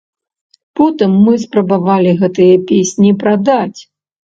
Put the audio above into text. Потым мы спрабавалі гэтыя песні прадаць.